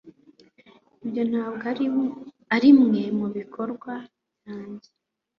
ibyo ntabwo arimwe mubikorwa byanjye